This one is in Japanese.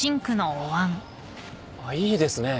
ああいいですね